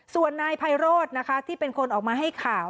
ส่วนนายไพโรธนะคะที่เป็นคนออกมาให้ข่าว